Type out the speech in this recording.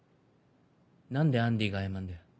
何でアンディが謝んだよ。